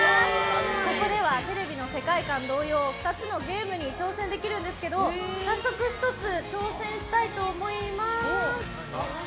ここではテレビの世界観同様２つのゲームに挑戦できるんですけど早速、１つ挑戦したいと思います。